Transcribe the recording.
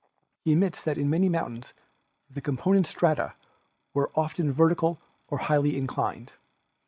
He admits that in many mountains the component strata are often vertical or highly inclined.